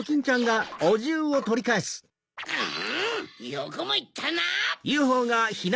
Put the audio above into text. よくもいったな！